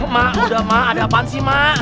mak udah mah ada apaan sih mak